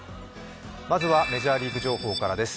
まずは、メジャーリーグ情報からです。